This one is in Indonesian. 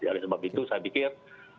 oleh sebab itu saya pikir